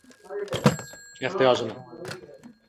Hujjatlarni qaytarib berishdi